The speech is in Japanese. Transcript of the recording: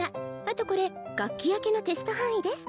あとこれ学期明けのテスト範囲です